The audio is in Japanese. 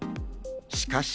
しかし。